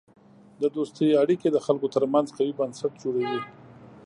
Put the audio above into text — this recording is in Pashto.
د دوستی اړیکې د خلکو ترمنځ قوی بنسټ جوړوي.